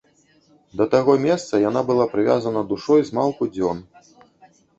Да таго месца яна была прывязана душой змалку дзён.